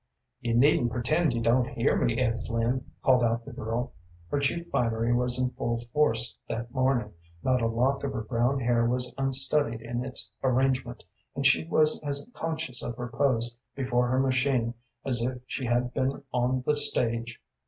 "You needn't pretend you don't hear me, Ed Flynn," called out the girl. Her cheap finery was in full force that morning, not a lock of her brown hair was unstudied in its arrangement, and she was as conscious of her pose before her machine as if she had been on the stage.